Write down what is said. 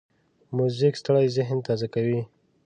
موزیک ستړی ذهن تازه کوي.